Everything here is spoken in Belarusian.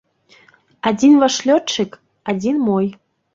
Адзін ваш лётчык, адзін мой.